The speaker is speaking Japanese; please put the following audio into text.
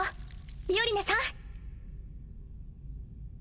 ミオリネさん。